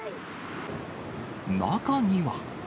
中には。